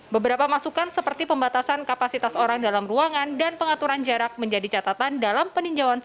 beberapa masukan seperti pembatasan kapasitas orang dalam ruangan dan pengaturan jarak menjadi catatan dalam peninjauan